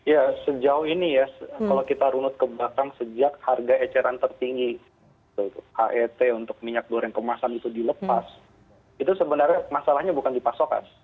ya sejauh ini ya kalau kita runut ke belakang sejak harga eceran tertinggi het untuk minyak goreng kemasan itu dilepas itu sebenarnya masalahnya bukan di pasokan